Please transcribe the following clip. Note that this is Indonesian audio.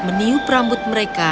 meniup rambut mereka